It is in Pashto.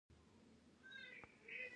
ادبي سیالۍ دې جوړې سي.